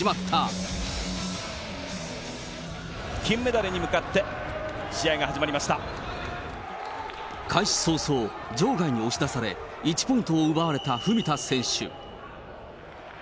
金メダルに向かって試合が始開始早々、場外に押し出され、１ポイントを奪われた文田選手。